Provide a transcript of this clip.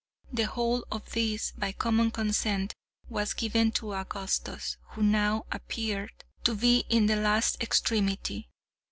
The whole of this, by common consent, was given to Augustus, who now appeared to be in the last extremity.